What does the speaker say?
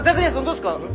どうですか？